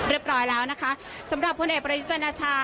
เรียบร้อยแล้วนะคะสำหรับคนแห่งประยุทธ์จันทราชา